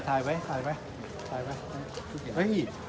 ถ่ายไว้ถ่ายไว้